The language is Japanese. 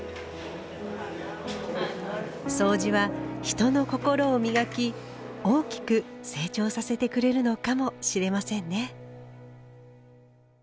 そうじは人の心を磨き大きく成長させてくれるのかもしれませんね。